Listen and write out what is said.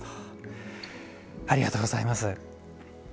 ありがとうございます。